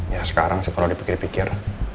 ya sekarang sih kalau dipikir pikir